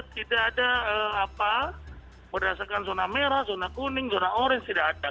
tidak ada apa berdasarkan zona merah zona kuning zona orange tidak ada